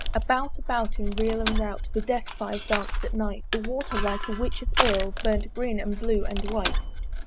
About, about, in reel and rout The Death fires danc'd at night; The water, like a witch's oils, Burnt green and blue and white.